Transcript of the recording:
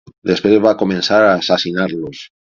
Després va començar a assassinar-los.